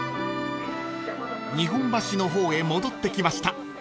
［日本橋の方へ戻ってきました］